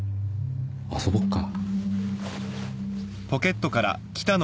遊ぼっか。